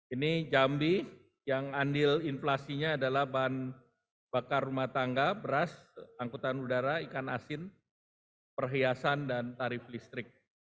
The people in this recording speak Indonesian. ini jambi yang andil inflasinya adalah bahan bakar rumah tangga beras angkutan udara ikan asin perhiasan dan tarif listrik